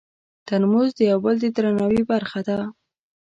ترموز د یو بل د درناوي برخه ده.